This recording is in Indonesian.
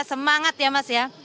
semangat ya mas ya